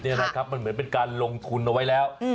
มันเหมือนเป็นการลงทุนเอาไว้แล้ว